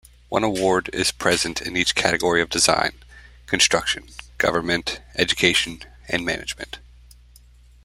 One award is present in each category of design, construction, government, education, and management.